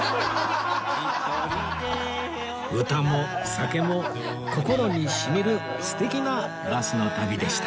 歌も酒も心に染みる素敵なバスの旅でした